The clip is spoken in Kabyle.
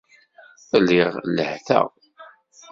Lliɣ lehhteɣ.